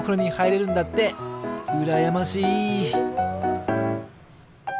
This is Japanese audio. うらやましい。